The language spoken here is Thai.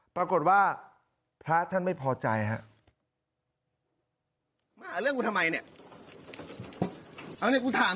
ปรากฏว่าพระท่านไม่พอใจครับ